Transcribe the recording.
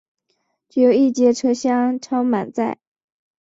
只有一节车厢超满载